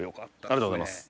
ありがとうございます。